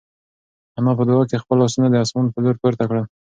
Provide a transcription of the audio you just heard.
انا په دعا کې خپل لاسونه د اسمان په لور پورته کړل.